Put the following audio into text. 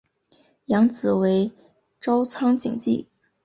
养子为朝仓景纪。